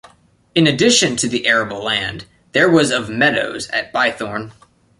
In addition to the arable land, there was of meadows at Bythorn.